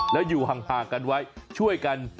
แล้วอยู่ห่างกันไว้ช่วยกัน